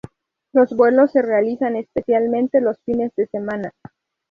Los vuelos se realizan especialmente los fines de semana.